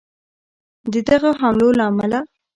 د دغه حملو له امله